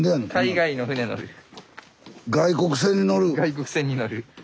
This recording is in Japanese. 外国船に乗る。